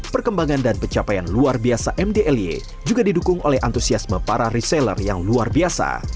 perkembangan dan pencapaian luar biasa mdly juga didukung oleh antusiasme para reseller yang luar biasa